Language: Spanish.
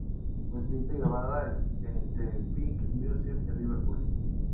Fue escrita y grabada en The Pink Museum en Liverpool.